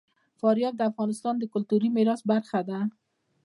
فاریاب د افغانستان د کلتوري میراث برخه ده.